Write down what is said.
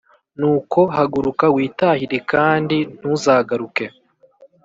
Nuko haguruka witahire knadi ntuzagaruke